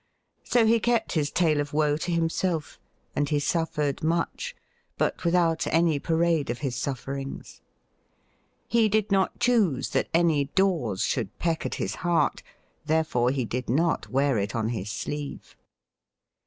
So he kept his tale of woe to himself ; and he suffered much, but without any parade of his sufferings. He did not choose that any daws should peck at his heart. Therefore he did not wear it on his sleeve.